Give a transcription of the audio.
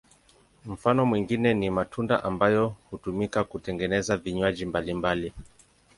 Mfano mwingine ni matunda ambayo hutumika kutengeneza vinywaji mbalimbali.